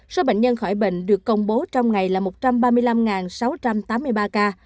số bệnh nhân khỏi bệnh được công bố trong ngày là một trăm ba mươi năm sáu trăm tám mươi ba ca